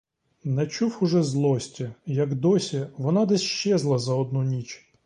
Не чув уже злості, як досі, вона десь щезла за одну ніч.